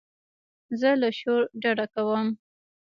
زه له شور ډډه کوم.